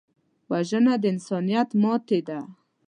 وژنه د انسانیت ماتې ده